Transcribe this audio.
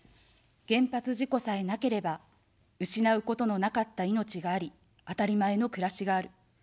原発事故さえなければ、失うことのなかった命があり、あたりまえの暮らしがある。